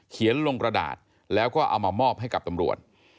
ลงกระดาษแล้วก็เอามามอบให้กับตำรวจ